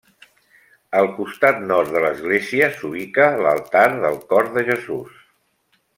Al costat nord de l'Església s'ubica l'altar del Cor de Jesús.